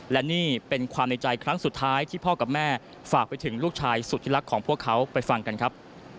และนี่เป็นความในใจครั้งสุดท้ายที่พ่อกับแม่ฝากไปถึงลูกชายสุดที่รักของพวกเขาไปฟังกันครับ